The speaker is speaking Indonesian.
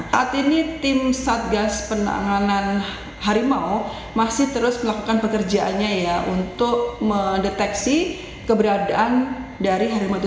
saat ini tim satgas penanganan harimau masih terus melakukan pekerjaannya ya untuk mendeteksi keberadaan dari harimau tujuh